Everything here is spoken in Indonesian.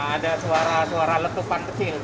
ada suara suara letupan kecil